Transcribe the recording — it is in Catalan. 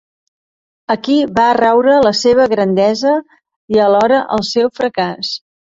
Aquí va raure la seva grandesa i alhora el seu fracàs.